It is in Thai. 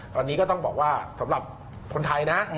ตอนนี้ก็ต้องบอกว่าสำหรับคนไทยนะ